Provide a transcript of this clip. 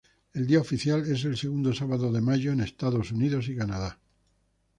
El día oficial es el segundo sábado de mayo en Estados Unidos y Canadá.